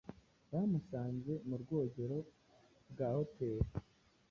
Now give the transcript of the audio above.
bamusanze mu bwogero bwa Hotel